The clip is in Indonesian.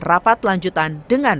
rapat lanjutan dengan